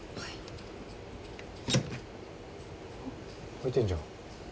開いてんじゃん。